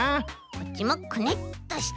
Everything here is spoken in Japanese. こっちもくねっとして。